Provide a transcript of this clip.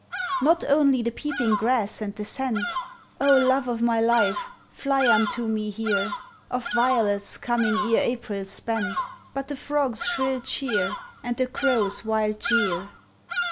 Not only the peeping grass and the scent (Oh, love o' my life, fly unto me here!) Of violets coming ere April's spent But the frog's shrill cheer And the crow's wild jeer!